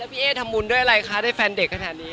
พี่เอ๊ทำบุญด้วยอะไรคะได้แฟนเด็กขนาดนี้